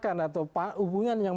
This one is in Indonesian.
kaya yang dikurtakan atau hubungan yang